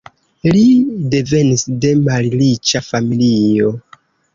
Li devenis de malriĉa familio.